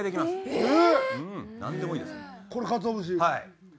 はい。